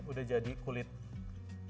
udah jadi kulit kebabnya